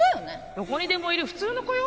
どこにでもいる普通の子よ。